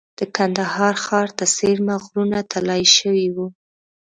د کندهار ښار ته څېرمه غرونه طلایي شوي وو.